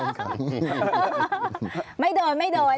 ลุงเอี่ยมอยากให้อธิบดีช่วยอะไรไหม